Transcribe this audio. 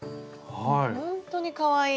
ほんとにかわいい！